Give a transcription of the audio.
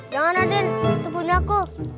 jangan raden itu punya aku